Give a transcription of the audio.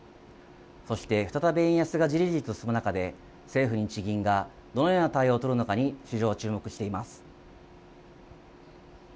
そして再び円安がじりじりと進む中で政府・日銀がどのような対応を取るのかに市場は注目しています。